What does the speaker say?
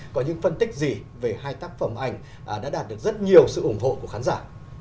có những phân tích gì về hai tác phẩm ảnh đã đạt được rất nhiều sự ủng hộ của khán giả